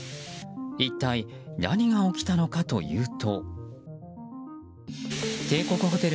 一体何が起きたのかというと。